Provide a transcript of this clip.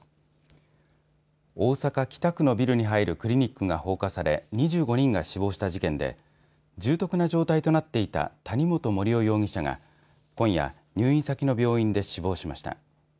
大阪、北区のビルに入るクリニックが放火され２５人が死亡した事件で重篤な状態となっていた谷本盛雄容疑者が今夜、入院先の病院で死亡しました。